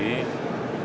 dan kita harus melakukan